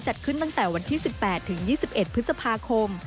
จัดขึ้นตั้งแต่วันที่๑๘ถึง๒๑พฤษภาคม